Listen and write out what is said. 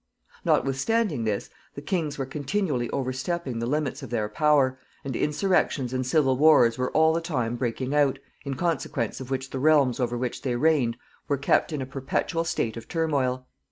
Notwithstanding this, the kings were continually overstepping the limits of their power, and insurrections and civil wars were all the time breaking out, in consequence of which the realms over which they reigned were kept in a perpetual state of turmoil.